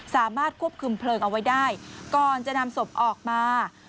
สามารถควบคุมเพลิงเอาไว้ได้ก่อนจะนำศพออกมา